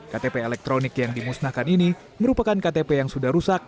ktp elektronik yang dimusnahkan ini merupakan ktp yang sudah rusak